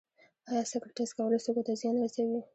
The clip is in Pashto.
ایا سګرټ څکول سږو ته زیان رسوي